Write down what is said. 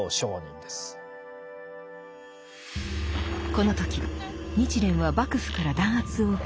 この時日蓮は幕府から弾圧を受け